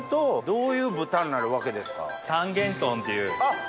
三元豚っていう。